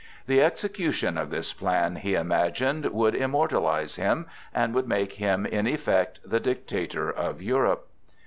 The execution of this plan, he imagined, would immortalize him, and would make him in effect the dictator of Europe.